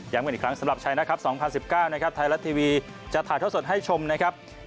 กันอีกครั้งสำหรับชัยนะครับ๒๐๑๙นะครับไทยรัฐทีวีจะถ่ายเท่าสดให้ชมนะครับ